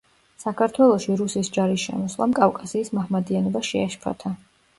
საქართველოში რუსის ჯარის შემოსვლამ კავკასიის მაჰმადიანობა შეაშფოთა.